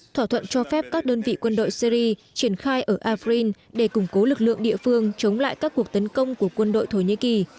thỏa thuận cho phép các đơn vị quân đội syri triển khai ở ifrin để củng cố lực lượng địa phương chống lại các cuộc tấn công của quân đội thổ nhĩ kỳ